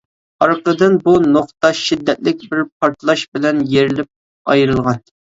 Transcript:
ئارقىدىن بۇ نۇقتا شىددەتلىك بىر پارتلاش بىلەن يېرىلىپ ئايرىلغان.